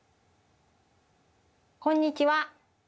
こんにちは。